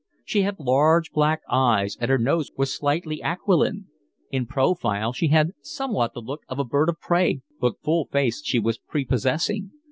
She had large black eyes and her nose was slightly aquiline; in profile she had somewhat the look of a bird of prey, but full face she was prepossessing.